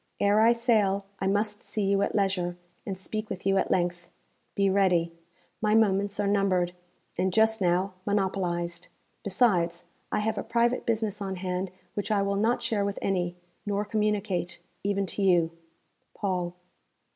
Ere I sail, I must see you at leisure, and speak with you at length. Be ready. My moments are numbered, and, just now, monopolized; besides, I have a private business on hand which I will not share with any, nor communicate, even to you. Paul.'